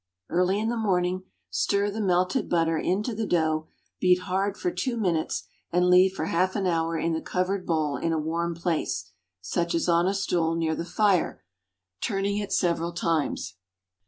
Early in the morning stir the melted butter into the dough, beat hard for two minutes, and leave for half an hour in the covered bowl in a warm place—such as on a stool near the fire—turning it several times.